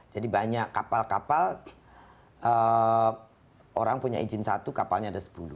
jadi banyak kapal kapal orang punya izin satu kapalnya ada sepuluh